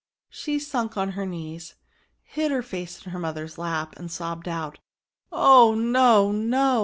She sunk on her knees, hid her face in her mother's lap, and sobbed out, " Oh no ! no